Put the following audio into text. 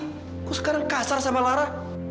aku sekarang kasar sama lara